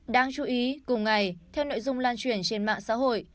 đáng chú ý cùng ngày theo nội dung lan truyền trên mạng xã hội